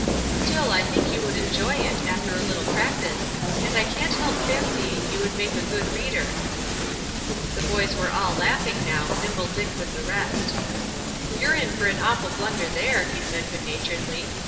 "Still I think you would enjoy it, after a little practice, and I can't help fancying you would make a good reader." The boys were all laughing now, Nimble Dick with the rest. "You're in for an awful blunder there," he said, good naturedly.